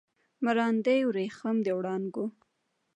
مراندې وریښم د وړانګو